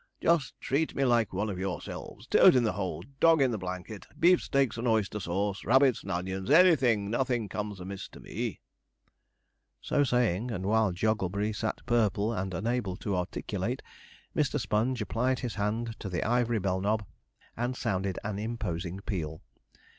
Just treat me like one of yourselves; toad in the hole, dog in the blanket, beef steaks and oyster sauce, rabbits and onions anything; nothing comes amiss to me.' So saying, and while Jogglebury sat purple and unable to articulate, Mr. Sponge applied his hand to the ivory bell knob and sounded an imposing peal. Mr.